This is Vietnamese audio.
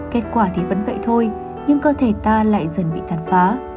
kết quả thì vẫn vậy thôi nhưng cơ thể ta lại dần bị tàn phá